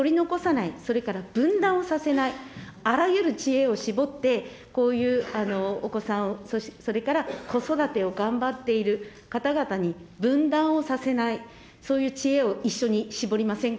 取り残さない、それから分断をさせない、あらゆる知恵を絞って、こういうお子さん、それから子育てを頑張っている方々に分断をさせない、そういう知恵を一緒に絞りませんか。